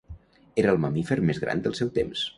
Era el mamífer més gran del seu temps.